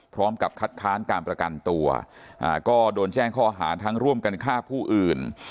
พร้อมกับคัดค้านการประกันตัวก็โดนแจ้งข้อหาทั้งร่วมกันฆ่าผู้อื่น